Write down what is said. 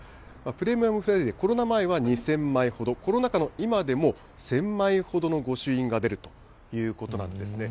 プレミアムフライデー、コロナ前は２０００枚ほど、コロナ禍の今でも、１０００枚ほどの御朱印が出るということなんですね。